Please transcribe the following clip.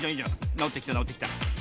なおってきたなおってきた。